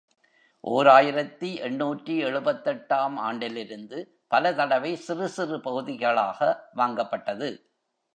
ஓர் ஆயிரத்து எண்ணூற்று எழுபத்தெட்டு ஆம் ஆண்டிலிருந்து பலதடவை சிறுசிறு பகுதிகளாக வாங்கப்பட்டது.